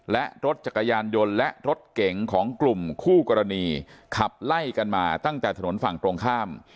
และรถจักรยานยนต์และรถเก๋งของกลุ่มคู่กรณีขับไล่กันมาตั้งแต่ถนนฝั่งตรงข้าม